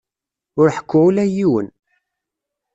Ur ḥekku ula i yiwen!